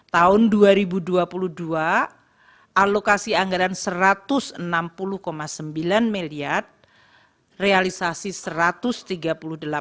tahun dua ribu dua puluh tiga alokasi anggaran rplt empat wydd niliar atau rp gar minarela peruseduta